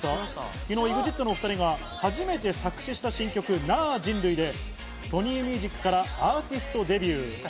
昨日、ＥＸＩＴのお２人が初めて作詞した新曲『なぁ人類』でＳｏｎｙＭｕｓｉｃからアーティストデビュー。